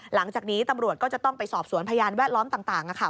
หลังจากนี้ตำรวจก็จะต้องไปสอบสวนพยานแวดล้อมต่าง